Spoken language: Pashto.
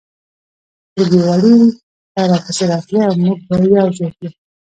ټولګیوالې به راپسې راتلې او موږ به یو ځای تلو